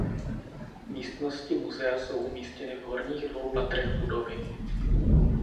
Místnosti muzea jsou umístěny v horních dvou patrech budovy.